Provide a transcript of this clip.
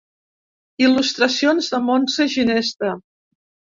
Il·lustracions de Montse Ginesta.